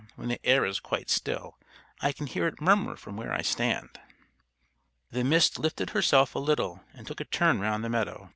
When the air is quite still, I can hear it murmur from where I stand." The Mist lifted herself a little and took a turn round the meadow.